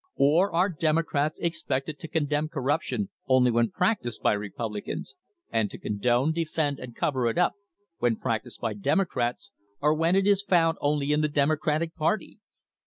Or are Democrats expected to condemn corruption only when practised by Republicans, and to condone, defend, and cover it up when practised by Democrats, or when it is found only in the Democratic party